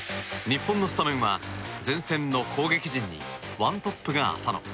日本のスタメンは前線の攻撃陣に１トップが浅野。